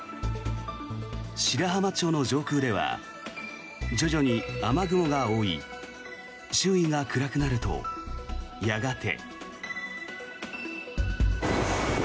白浜町の上空では徐々に雨雲が覆い周囲が暗くなると、やがて。